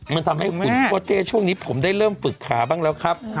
มันทำให้คุณพ่อเต้ช่วงนี้ผมได้เริ่มฝึกขาบ้างแล้วครับ